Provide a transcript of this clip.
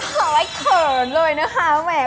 ไข่เขินเลยนะคะแหม